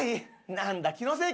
何だ気のせいか。